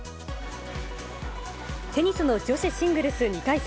テニスの女子シングルス２回戦。